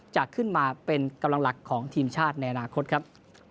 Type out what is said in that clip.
จะขึ้นมาเป็นกำลังหลักของทีมชาติในอนาคตครับ